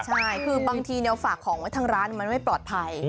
ใช่คือบางทีฝากของไว้ทางร้านมันไม่ปลอดภัย